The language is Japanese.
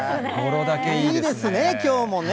いいですね、きょうもね。